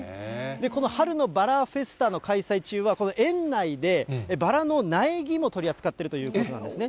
この春のバラフェスタの開催中は、園内でバラの苗木も取り扱っているということなんですね。